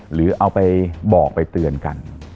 หรือเอาไปบอกไปเตือนกัน